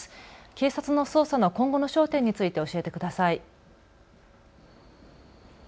警察の捜査の今後の焦点について教えてください。